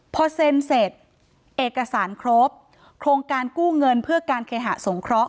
พอเซ็นเสร็จเอกสารครบโครงการกู้เงินเพื่อการเคหะสงเคราะห